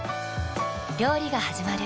料理がはじまる。